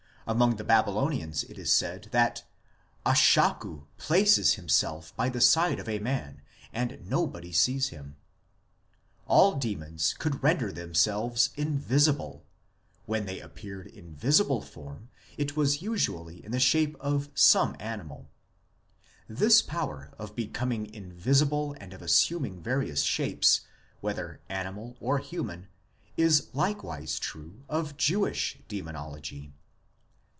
2 Among the Babylonians it is said that " Ashakku places himself by the side of a man, and nobody sees him "*; all demons could render themselves invisible ; when they appeared in visible form it was usually in the shape of some animal 4 (see below). This power of becoming invisible and of assuming various shapes, whether animal or human, is likewise true of Jewish Demonology.